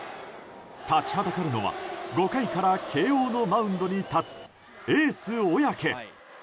立ちはだかるのは５回から慶応のマウンドに立つエース、小宅。